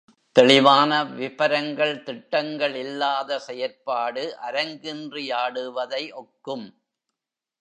தெளிவான விபரங்கள், திட்டங்கள் இல்லாத செயற்பாடு அரங்கின்றி ஆடுவதை ஒக்கும்.